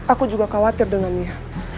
aku juga khawatir dengannya